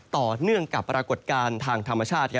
ต่อเนื่องกับปรากฏการณ์ทางธรรมชาติ